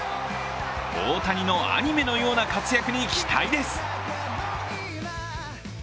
大谷のアニメのような活躍に期待です。